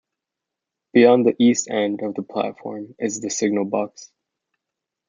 Beyond the east end of the platform is the signal box.